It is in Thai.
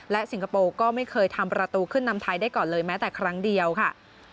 สิงคโปร์ก็ไม่เคยทำประตูขึ้นนำไทยได้ก่อนเลยแม้แต่ครั้งเดียวค่ะ